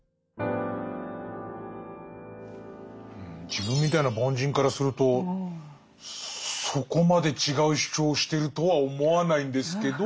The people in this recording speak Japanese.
自分みたいな凡人からするとそこまで違う主張をしてるとは思わないんですけど。